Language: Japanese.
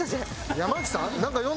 「山内さん」？